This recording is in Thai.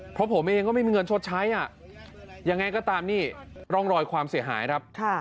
เพราะผมเองก็ไม่มีเงินชดใช้ยังไงก็ตามนี่ร่องรอยความเสียหายครับ